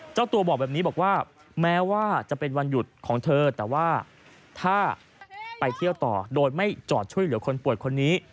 เจ้าตัวบอกแบบนี้บอกว่าแม้ว่าจะเป็นวันหยุดของเธอแต่ว่าถ้าไปเที่ยวต่อโดยไม่จอดช่วยเหลือคนป่วยคนนี้